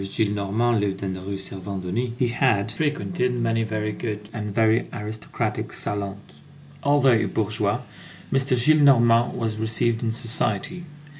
Gillenormand lived in the Rue Servandoni, he had frequented many very good and very aristocratic salons. Although a bourgeois, M. Gillenormand was received in society.